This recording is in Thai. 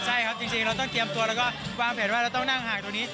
ใช่ครับจริงเราต้องเตรียมตัวแล้วก็วางแผนว่าเราต้องนั่งห่างตรงนี้